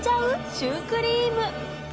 シュークリーム。